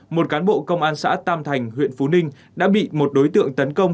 một cán bộ công an xã tam thành huyện phú ninh đã bị một đối tượng tấn công